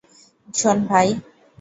শোন, ভাই।